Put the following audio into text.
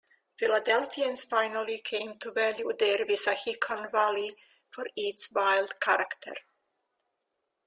Philadelphians finally came to value their Wissahickon valley for its wild character.